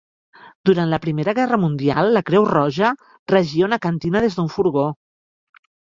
Durant la Primera Guerra Mundial, La Creu Roja regia una cantina des d'un furgó.